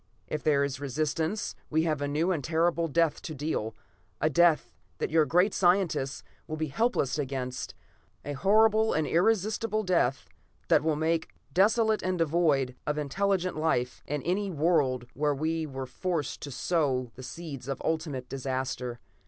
If there is resistance, we have a new and a terrible death to deal. A death that your great scientists will be helpless against; a horrible and irresistable death that will make desolate and devoid of intelligent life any world where we are forced to sow the seeds of ultimate disaster.